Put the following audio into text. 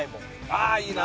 ああいいな！